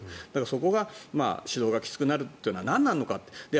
そこが指導がきつくなるというのはなんなのか。